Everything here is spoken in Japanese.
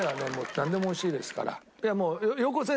なんでもおいしいですから。